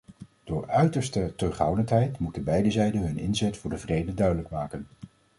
Door uiterste terughoudendheid moeten beide zijden hun inzet voor de vrede duidelijk maken.